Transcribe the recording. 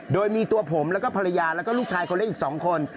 โดยมีตัวผมแล้วก็ภรรยาแล้วก็ลูกชายคนเล็กอีก๒คน